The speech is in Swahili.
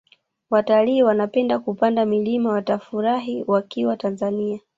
watalii wanaopenda kupanda milima watafurahia wakiwa tanzania